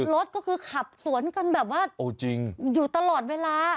รถก็คือขับสวนกันแบบว่าอยู่ตลอดเวลา